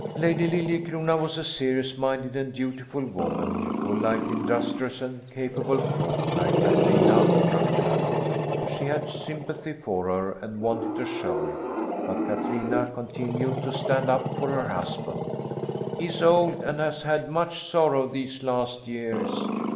Lady Liljecrona was a serious minded and dutiful woman who liked industrious and capable folk like Katrina of Ruffluck. She had sympathy for her and wanted to show it. But Katrina continued to stand up for her husband. "He is old and has had much sorrow these last years.